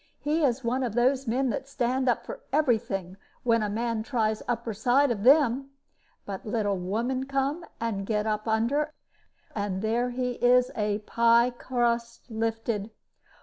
He is one of those men that stand up for every thing when a man tries upper side of them. But let a woman come, and get up under, and there he is a pie crust lifted.